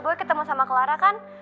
gue ketemu sama clara kan